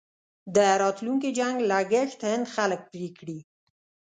د راتلونکي جنګ لګښت هند خلک پرې کړي.